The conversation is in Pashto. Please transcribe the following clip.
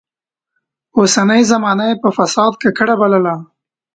اوسنۍ زمانه يې په فساد ککړه بلله.